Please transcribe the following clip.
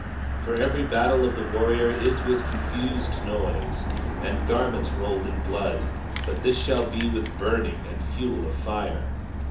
19:5 For every battle of the warrior is with confused noise, and garments rolled in blood; but this shall be with burning and fuel of fire.